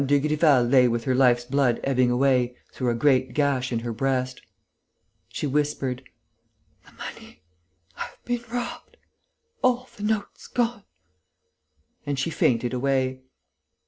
Dugrival lay with her life's blood ebbing away through a great gash in her breast. She whispered: "The money.... I've been robbed.... All the notes gone...." And she fainted away.